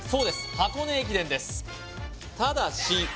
箱根駅伝です